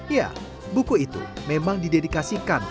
ya buku itu memang didedikasikan